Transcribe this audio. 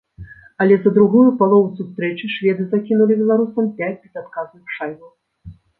Але за другую палову сустрэчы шведы закінулі беларусам пяць безадказных шайбаў.